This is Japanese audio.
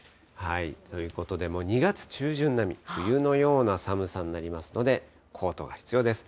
ということで、もう２月中旬並み、冬のような寒さになりますので、コートが必要です。